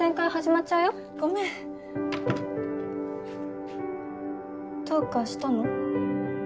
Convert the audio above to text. ごめんどうかしたの？